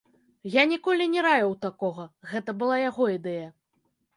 Я ніколі не раіў такога, гэта была яго ідэя.